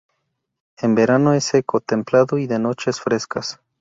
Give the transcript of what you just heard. En verano es seco, templado y de noches frescas.